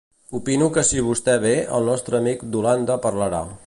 Opino que si vostè ve, el nostre amic d'Holanda parlarà.